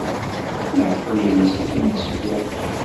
Leɛqel-nnes atan isewweq.